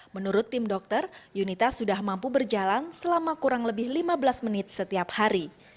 menurut tim dokter yunita sudah mampu berjalan selama kurang lebih lima belas menit setiap hari